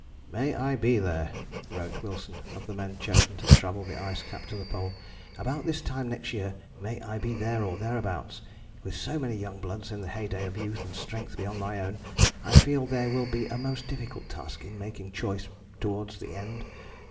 "May I be there!" wrote Wilson of the men chosen to travel the ice cap to the Pole. "About this time next year may I be there or thereabouts! With so many young bloods in the heyday of youth and strength beyond my own I feel there will be a most difficult task in making choice towards the end."